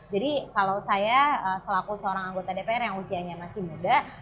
jadi kalau saya selaku seorang anggota dpr yang usianya masih muda